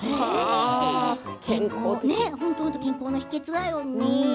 本当に健康の秘けつだよね。